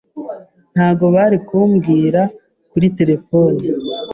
Ntabwo bari kumbwira kuri terefone.